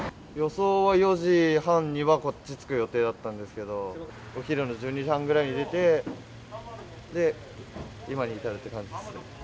予想は４時半にはこっちに着く予定だったんですけど、お昼の１２時半ぐらいに出て、で、今に至るって感じです。